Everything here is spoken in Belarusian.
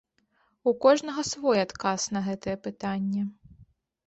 У кожнага свой адказ на гэтае пытанне.